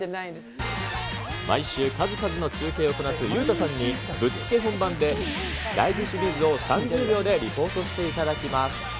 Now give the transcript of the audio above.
毎週、数々の中継をこなす裕太さんに、ぶっつけ本番で大慈清水をリポートしていただきます。